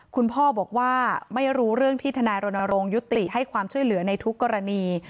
คุณพ่อบอกว่าไม่รู้เรื่องที่ทนายรณรงค์ยุติให้ความช่วยเหลือในทุกกรณี